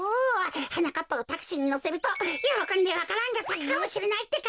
はなかっぱをタクシーにのせるとよろこんでわか蘭がさくかもしれないってか！